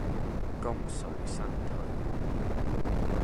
功遂身退